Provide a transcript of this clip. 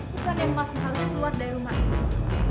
bukan yang masih harus keluar dari rumahku